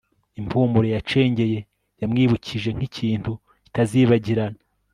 Impumuro yacengeye yamwibukije nkikintu kitazibagirana